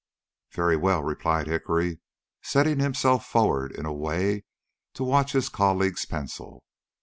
"Very well," replied Hickory, setting himself forward in a way to watch his colleague's pencil.